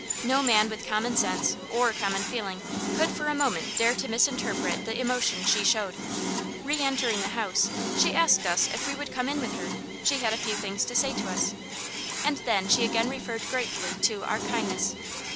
No man with common sense or common feeling could for a moment dare to misinterpret the emotion she showed. Re entering the house, she asked us if we would come in with her; she had a few things to say to us. And then she again referred gratefully to our "kindness."